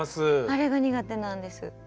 あれが苦手なんです。